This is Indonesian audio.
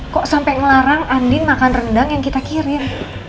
kok sampai ngelarang andin makan rendang yang kita kirim